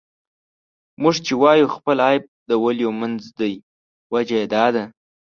موږ چې وايو خپل عيب د ولیو منځ دی، وجه یې دا ده.